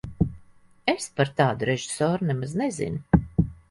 Es par tādu režisoru nemaz nezinu.